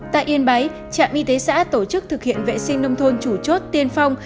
tại yên bái trạm y tế xã tổ chức thực hiện vệ sinh nông thôn chủ chốt tiên phong